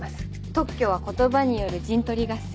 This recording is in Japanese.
特許は言葉による陣取り合戦。